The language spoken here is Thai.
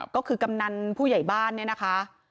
ก็คือกำนันผู้ใหญ่บ้านเนี่ยนะคะ